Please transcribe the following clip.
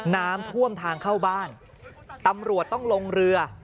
น้ำท่วมทางเข้าบ้านตำรวจต้องลงเรือ